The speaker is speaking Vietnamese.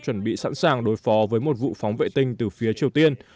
chuẩn bị sẵn sàng đối phó với một vụ phóng vệ tinh từ phía triều tiên